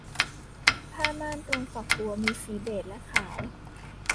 ผ้าม่านตรงฝักบัวมีสีเบจและขาว